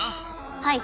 はい。